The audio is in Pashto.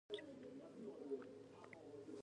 پښتو لنډۍ ده.